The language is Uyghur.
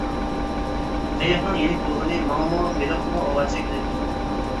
قېيىقنىڭ يېنىك بولغىنى ماڭىمۇ، بېلىققىمۇ ئاۋارىچىلىك ئېلىپ كېلىدۇ.